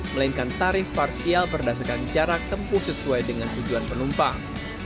melainkan tarif parsial berdasarkan jarak tempuh sesuai dengan tujuan penumpang